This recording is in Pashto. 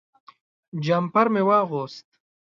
جمپر مې واغوست.